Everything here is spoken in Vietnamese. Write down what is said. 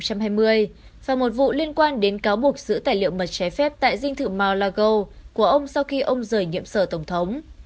và một vụ liên quan đến cáo buộc giữ tài liệu mật trái phép tại dinh thự mau lago của ông sau khi ông rời nhiệm sở tổng thống